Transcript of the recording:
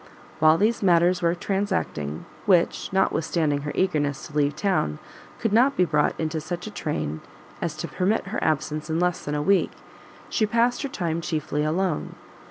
While these matters were transacting, which, notwithstanding her eagerness to leave town, could not be brought into such a train as to permit her absence in less than a week, she passed her time chiefly alone.